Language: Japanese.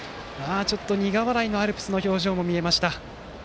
ちょっと苦笑いのアルプスの表情も見えました。